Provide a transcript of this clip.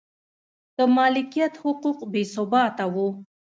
د مالکیت حقوق بې ثباته و.